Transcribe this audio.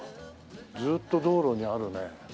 ずっと道路にあるね。